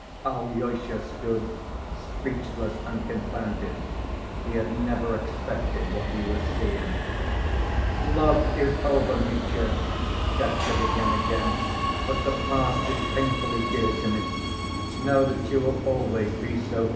Alyosha stood speechless and confounded; he had never expected what he was seeing. "Love is over, Mitya!" Katya began again, "but the past is painfully dear to me. Know that you will always be so.